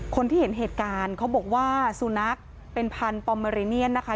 คนที่เห็นเหตุการณ์เขาบอกว่าสุนัขเป็นพันธุ์ปอมเมอริเนียนนะคะ